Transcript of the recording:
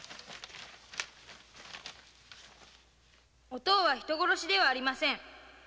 お父うは人殺しではありません。